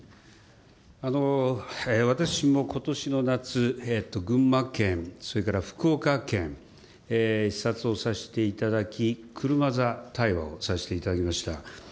私もことしの夏、群馬県それから福岡県、視察をさせていただき、車座対話をさせていただきました。